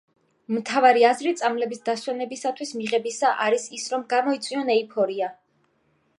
მთავარი აზრი წამლების დასვენებისათვის მიღებისა არის ის რომ გამოიწვიონ ეიფორია.